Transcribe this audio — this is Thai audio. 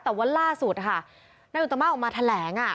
แต่ว่าล่าสุดค่ะนายอุตมะออกมาแถลง